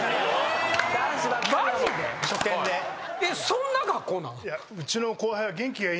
そんな学校なん？